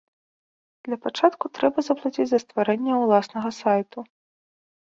Для пачатку трэба заплаціць за стварэнне ўласнага сайту.